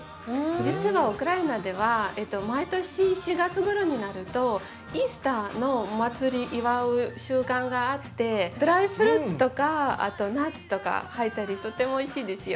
実はウクライナでは毎年４月ごろになるとイースターのお祭り祝う習慣があってドライフルーツとかあとナッツとか入ったりとてもおいしいですよ。